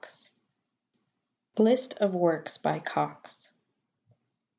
II. LIST OF WORKS BY COX.